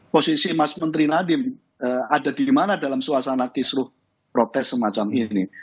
posisi mas menteri nadiem ada di mana dalam suasana kisruh protes semacam ini